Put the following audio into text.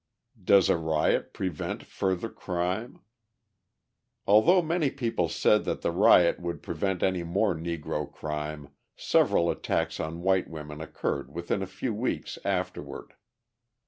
Does a Riot Prevent Further Crime? Although many people said that the riot would prevent any more Negro crime, several attacks on white women occurred within a few weeks afterward.